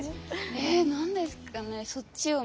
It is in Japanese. えっ何ですかね？